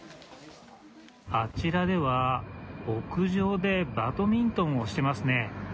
あちらでは屋上でバドミントンをしてますね。